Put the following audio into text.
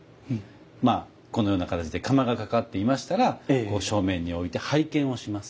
このような形で釜がかかっていましたらこう正面において拝見をします。